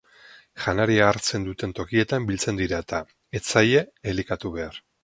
Janaria hartzen duten tokietan biltzen dira eta ez zaie elikatu behar.